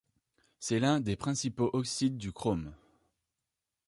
C'est l'un des principaux oxydes du chrome.